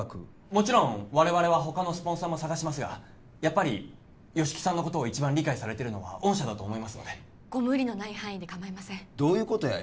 もちろん我々は他のスポンサーも探しますがやっぱり吉木さんのことを一番理解されてるのは御社だと思いますのでご無理のない範囲でかまいませんどういうことや？